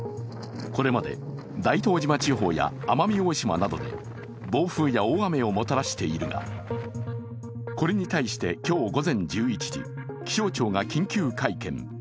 これまで大東島地方や奄美大島などで暴風や大雨をもたらしているが、これに対して今日午前１１時、気象庁が緊急会見。